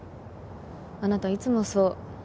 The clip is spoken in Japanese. あなたいつもそう。